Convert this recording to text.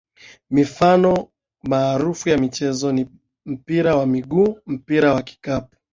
Mifano maarufu ya michezo ni mpira wa miguu mpira wa kikapu